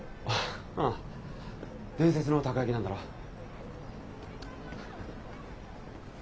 ああ伝説のたこやきなんだろ？